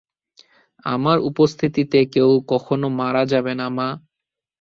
আমার উপস্থিতিতে কেউ কখনো মারা যাবে না, মা।